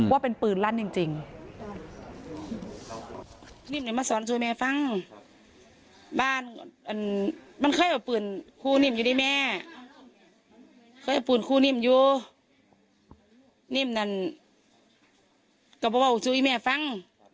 ว่าเป็นปืนลั่นจริง